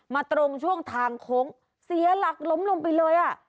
ตรงช่วงทางโค้งเสียหลักล้มลงไปเลยอ่ะ